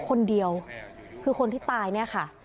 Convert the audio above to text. คนเดียวคือคนที่ตายเนี่ยค่ะ